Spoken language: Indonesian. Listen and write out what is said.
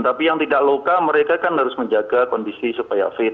tapi yang tidak loka mereka kan harus menjaga kondisi supaya fit